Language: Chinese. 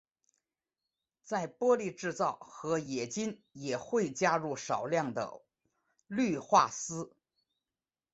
在玻璃制造和冶金也会加入少量的氯化锶。